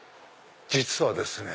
実はですね